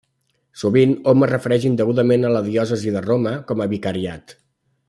Sovint hom es refereix indegudament a la diòcesi de Roma com a vicariat.